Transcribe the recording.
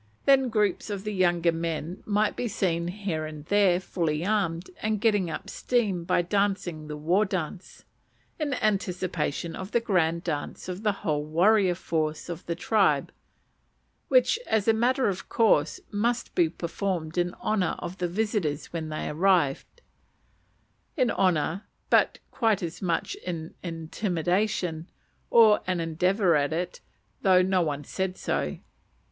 Then groups of the younger men might be seen here and there fully armed, and "getting up steam" by dancing the war dance, in anticipation of the grand dance of the whole warrior force of the tribe, which, as a matter of course, must be performed in honour of the visitors when they arrived: in honour, but quite as much in intimidation, or an endeavour at it, though no one said so.